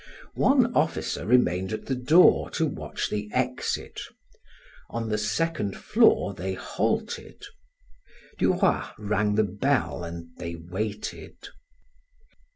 One officer remained at the door to watch the exit; on the second floor they halted; Du Roy rang the bell and they waited.